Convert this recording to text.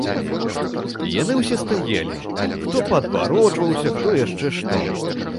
Яны ўсе стаялі, хто паадварочваўся, хто яшчэ што.